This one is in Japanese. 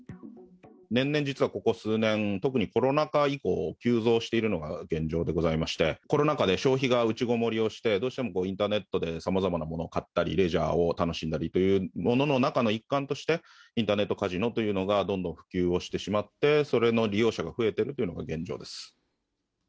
年々実はここ数年、特にコロナ禍以降、急増しているのが現状でございまして、コロナ禍で消費がうちごもりをして、どうしてもインターネットでさまざまなものを買ったり、レジャーを楽しんだりというものの中の一貫として、インターネットカジノというのがどんどん普及をしてしまって、それの利用者が増えてるというのが現状です。